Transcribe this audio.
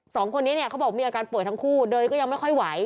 สองคนนี้เนี่ยเขาบอกมีอาการป่วยทั้งคู่เดินก็ยังไม่ค่อยไหว